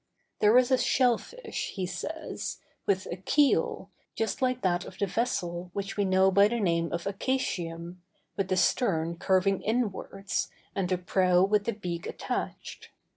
There is a shell fish, he says, with a keel, just like that of the vessel which we know by the name of acatium, with the stern curving inwards, and a prow with the beak attached.